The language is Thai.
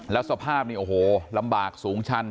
แล้วสภาพนี่โอ้โหลำบากสูงชัน